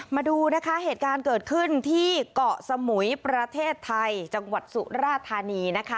มาดูนะคะเหตุการณ์เกิดขึ้นที่เกาะสมุยประเทศไทยจังหวัดสุราธานีนะคะ